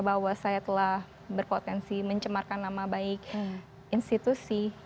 bahwa saya telah berpotensi mencemarkan nama baik institusi